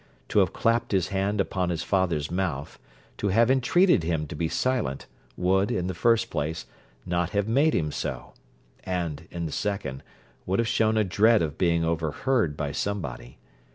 To have clapped his hand upon his father's mouth, to have entreated him to be silent, would, in the first place, not have made him so; and, in the second, would have shown a dread of being overheard by somebody.